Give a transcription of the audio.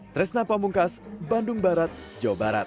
tresna pamungkas bandung barat jawa barat